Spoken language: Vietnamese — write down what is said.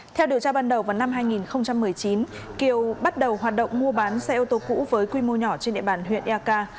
theo điều tra ban đầu vào năm hai nghìn một mươi chín kiều bắt đầu hoạt động mua bán xe ô tô cũ với quy mô nhỏ trên địa bàn huyện eak